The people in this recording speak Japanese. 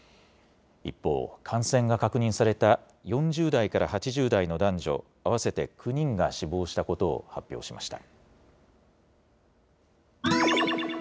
一方、感染が確認された４０代から８０代の男女合わせて９人が死亡したことを発表しました。